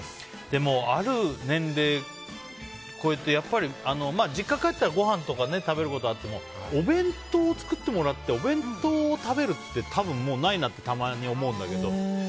でも、ある年齢超えてやっぱり実家に帰ったらごはんとか食べることあってもお弁当を作ってもらってお弁当を食べるって多分もうないなってたまに思うんだけど。